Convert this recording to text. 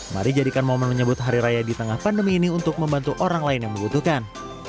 mari jadikan momen menyebut hari raya di tengah pandemi ini untuk membantu orang lain yang membutuhkan